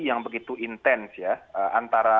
yang begitu intens ya antara